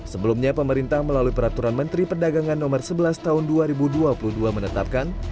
sebelumnya pemerintah melalui peraturan menteri perdagangan no sebelas tahun dua ribu dua puluh dua menetapkan